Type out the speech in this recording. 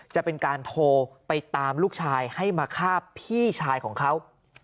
จะเป็นการโทรไปตามลูกชายให้มาฆ่าพี่ชายของเขา